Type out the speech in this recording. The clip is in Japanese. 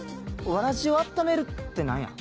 わらじを温めるって何や？